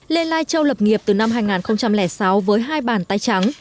lê lai châu lập nghiệp từ năm hai nghìn sáu với hai bàn tay trắng